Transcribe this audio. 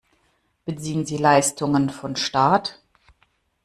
Beziehen sie Leistungen von Staat?